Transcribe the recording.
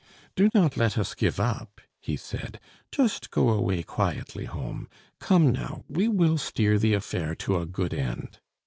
"Do not let us give up," he said; "just go away quietly home. Come, now, we will steer the affair to a good end."